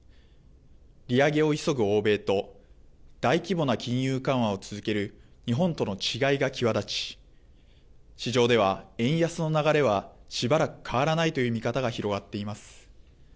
利上げを急ぐ欧米と大規模な金融緩和を続ける日本との違いが際立ち、市場では円安の流れはしばらく変わらないという見方が広がっています。